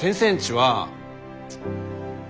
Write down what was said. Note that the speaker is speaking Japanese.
は